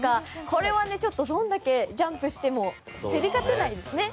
これはどんだけジャンプしても競り勝てないですね。